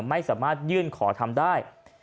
ไม่สามารถยื่นขอทำได้